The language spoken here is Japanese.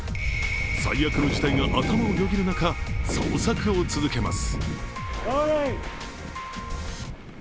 最悪の事態が頭をよぎる中捜索を続けます。